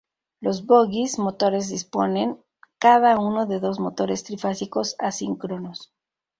Los bogies motores disponen cada uno de dos motores trifásicos asíncronos.